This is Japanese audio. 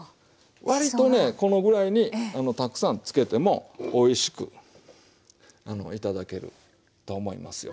割とねこのぐらいにたくさんつけてもおいしく頂けると思いますよ。